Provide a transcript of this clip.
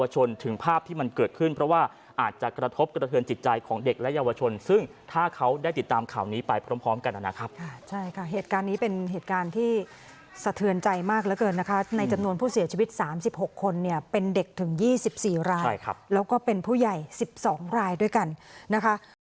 ใจของเด็กและเยาวชนซึ่งถ้าเขาได้ติดตามข่าวนี้ไปพร้อมกันนะครับใช่ค่ะเหตุการณ์นี้เป็นเหตุการณ์ที่สะเทือนใจมากแล้วเกินนะคะในจำนวนผู้เสียชีวิต๓๖คนเนี่ยเป็นเด็กถึง๒๔รายครับแล้วก็เป็นผู้ใหญ่๑๒รายด้วยกันนะคะ